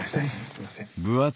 すいません。